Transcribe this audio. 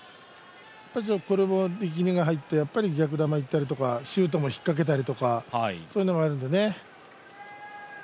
力みが入って、逆球にいったりとかシュートも引っかけたりとかがあるのでね。